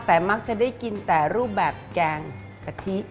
แต่มักจะได้กินแต่รูปแบบแกงกะทิ